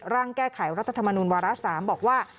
ร่างแก้ไขรัฐธรรมนูญวาระ๓บอกว่า